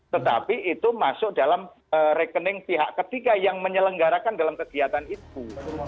tetapi itu masuk dalam rekening pihak ketiga yang menyelenggarakan dalam kegiatan itu